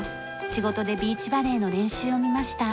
仕事でビーチバレーの練習を見ました。